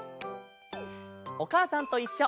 「おかあさんといっしょ」